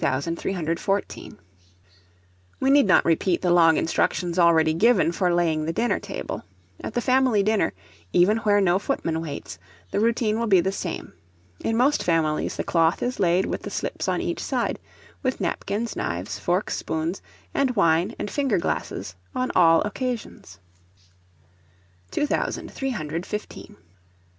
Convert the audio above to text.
We need not repeat the long instructions already given for laying the dinner table. At the family dinner, even where no footman waits, the routine will be the same. In most families the cloth is laid with the slips on each side, with napkins, knives, forks, spoons, and wine and finger glasses on all occasions. [Illustration: BUTLER'S TRAY AND STAND.] 2315.